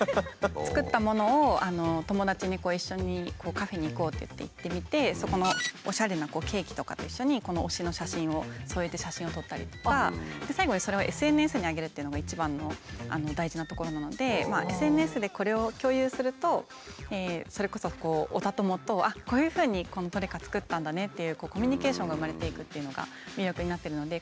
作ったものを友達に一緒にカフェに行こうっていって行ってみてそこのおしゃれなケーキとかと一緒に推しの写真を添えて写真を撮ったりとか最後にそれをＳＮＳに上げるというのが一番の大事なところなのでＳＮＳでこれを共有するとそれこそオタ友とこういうふうにこのトレカ作ったんだねっていうコミュニケーションが生まれていくっていうのが魅力になってるので。